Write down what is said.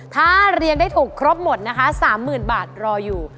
ถ้าเรียงได้ถูกครบหมดนะคะ๓๐๐๐บาทรออยู่